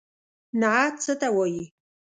نعت څه ته وايي.